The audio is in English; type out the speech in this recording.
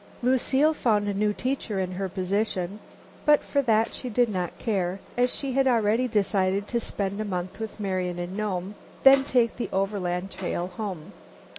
Lucile found a new teacher in her position, but for that she did not care, as she had already decided to spend a month with Marian in Nome, then take the overland trail home.